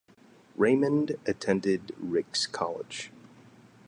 Raymond attended Ricks College.